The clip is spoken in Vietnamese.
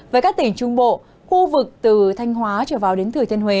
với các tỉnh trung bộ khu vực từ thanh hóa trở vào đến thừa thiên huế